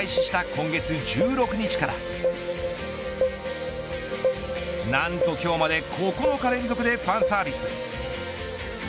今月１６日から何と今日まで９日連続でファンサービス。